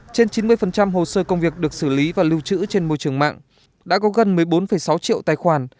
trên chín mươi hồ sơ công việc được xử lý và lưu trữ trên môi trường mạng đã có gần một mươi bốn sáu triệu tài khoản